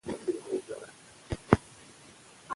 علم باید پټ نه سي.